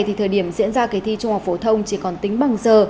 thì thời điểm diễn ra kỳ thi trung học phổ thông chỉ còn tính bằng giờ